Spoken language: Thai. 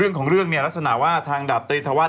อ่ะเดี๋ยวเราให้ฟังไปดูกัน